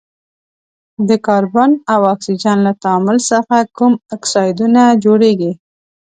د کاربن او اکسیجن له تعامل څخه کوم اکسایدونه جوړیږي؟